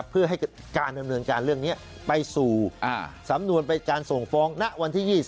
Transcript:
เพื่อให้การดำเนินการเรื่องนี้ไปสู่สำนวนไปการส่งฟ้องณวันที่๒๐